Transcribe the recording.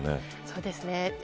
そうですね。